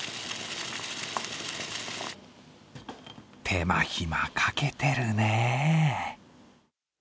手間ひまかけてるね。